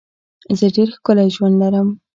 زه ډېر ښکلی ژوند لرم.